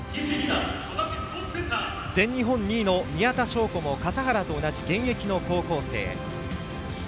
全日本２位の宮田笙子も笠原と同じ現役の高校生。